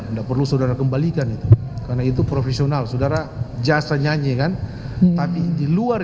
enggak perlu saudara kembalikan itu karena itu profesional saudara jasa nyanyi kan tapi di luar